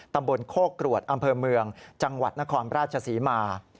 ตำบลโคกรวดอำเภอเมืองจังหวัดนครราชศรีมา